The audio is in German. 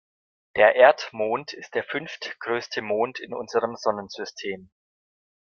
Der Erdmond ist der fünftgrößte Mond in unserem Sonnensystem.